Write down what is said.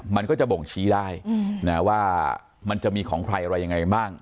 มันก็จะบ่งชี้ได้นะว่ามันจะมีของใครอะไรยังไงบ้าง